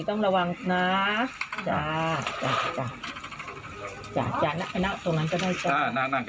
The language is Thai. ต้องระวังนะจ้าจ้าจ้าจ้านั่นตรงนั้นก็ได้นั่นนั่น